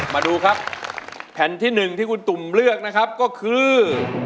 มาดูครับแผ่นที่๑ที่คุณตุ่มเลือกนะครับก็คือ